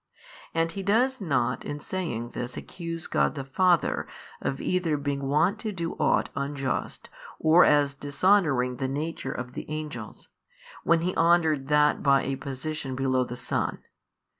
And he does not in saying this accuse God the Father of either being wont to do aught unjust or as dishonouring the nature of the angels, when He honoured that by a position below the Son.